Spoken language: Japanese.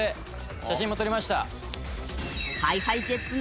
写真も撮りました。